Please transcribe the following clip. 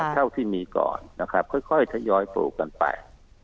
เท่าที่มีก่อนค่อยย้อยปลูกกันไป